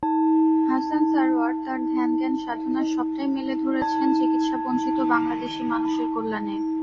হাসান সারোয়ার তার ধ্যান-জ্ঞান-সাধনার সবটাই মেলে ধরেছেন চিকিৎসা বঞ্চিত বাংলাদেশি মানুষের কল্যাণে।